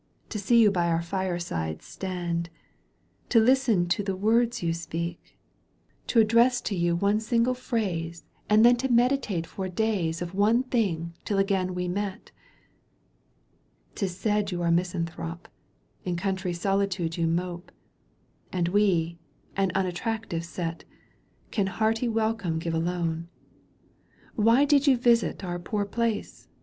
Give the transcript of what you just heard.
To see you by our fireside stand. To listen to the words you speak. Address to you one single phrase And then to meditate for days Digitized by VjOOQ 1С ее EUGENE ON^GUINR canto ш Of one thing till again we met. 'Tis said you are a misanthrope. In country solitude you mope, And we — an unattractive set — Can hearty welcome give alone. Why did you visit our poor place